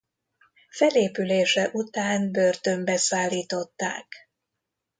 Felépülése után börtönbe szállították.